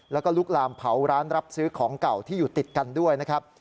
แล้วก็ลุกลามเผาร้านรับซื้อของเก่าที่อยู่ติดกันด้วยนะครับ